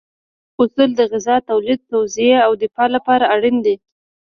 اصول د غذا تولید، توزیع او دفاع لپاره اړین دي.